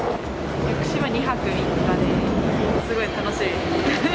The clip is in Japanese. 屋久島２泊３日で、すごい楽しみです。